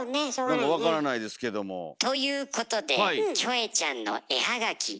何か分からないですけども。ということで「キョエちゃん」の絵はがき募集します。